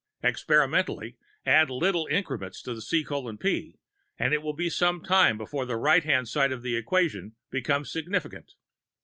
Experimentally, add little increments to C:P and it will be some time before the right hand side of the equation becomes significant.